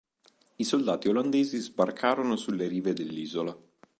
I soldati olandesi sbarcarono sulle rive dell'isola.